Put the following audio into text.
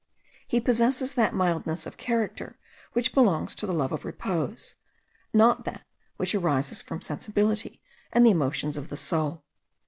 He possesses that mildness of character which belongs to the love of repose; not that which arises from sensibility and the emotions of the soul.